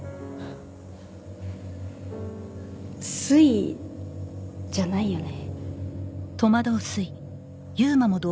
すいじゃないよね？